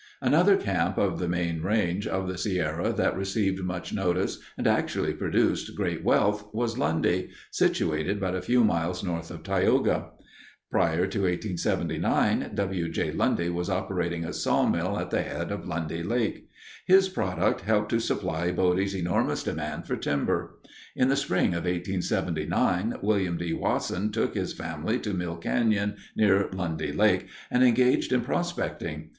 Another camp of the main range of the Sierra that received much notice and actually produced great wealth was Lundy, situated but a few miles north of Tioga. Prior to 1879, W. J. Lundy was operating a sawmill at the head of Lundy Lake. His product helped to supply Bodie's enormous demand for timber. In the spring of 1879, William D. Wasson took his family to Mill Canyon, near Lundy Lake, and engaged in prospecting.